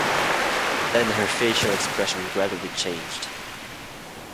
Then her facial expression gradually changed.